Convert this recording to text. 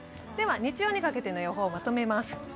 日曜にかけての予報をまとめます。